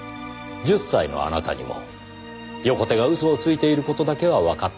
１０歳のあなたにも横手が嘘をついている事だけはわかった。